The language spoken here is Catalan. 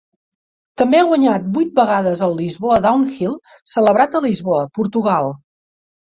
També ha guanyat vuit vegades el Lisboa Downhill, celebrat a Lisboa, Portugal.